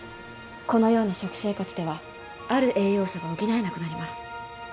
このような食生活ではある栄養素が補えなくなります。